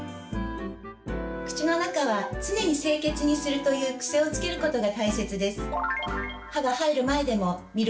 「口の中は常に清潔にする」という癖をつけることが大切です。